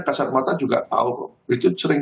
kasar mata juga tahu itu sering